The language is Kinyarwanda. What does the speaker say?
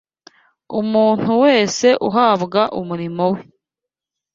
Umuntu wese ahabwa umurimo we